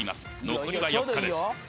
残りは４日です